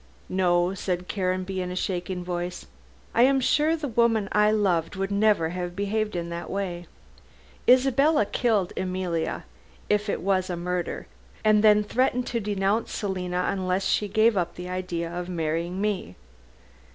"No," said Caranby in a shaking voice, "I am sure the woman I loved would never have behaved in that way. Isabella killed Emilia if it was a murder and then threatened to denounce Selina unless she gave up the idea of marrying me.